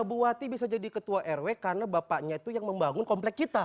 bupati bisa jadi ketua rw karena bapaknya itu yang membangun komplek kita